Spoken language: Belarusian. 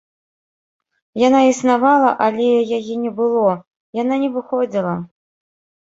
Яна існавала, але яе не было, яна не выходзіла.